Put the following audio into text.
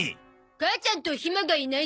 母ちゃんとひまがいないゾ。